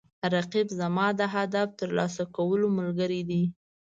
رقیب زما د هدف د ترلاسه کولو ملګری دی